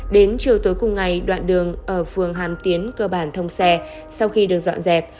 đến chiều tối cùng ngày đoạn đường ở phường hàm tiến cơ bản thông xe sau khi được dọn dẹp